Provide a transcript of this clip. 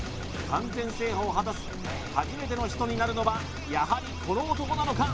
完全制覇を果たす初めての人になるのはやはりこの男なのか？